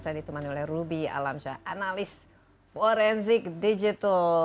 saya ditemani oleh rubi alamsya analis forensik digital